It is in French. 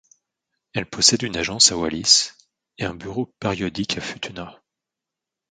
Elle possède une agence à Wallis et un bureau périodique à Futuna.